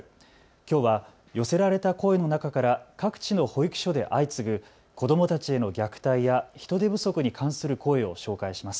きょうは寄せられた声の中から各地の保育所で相次ぐ子どもたちへの虐待や人手不足に関する声を紹介します。